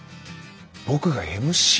僕がＭＣ？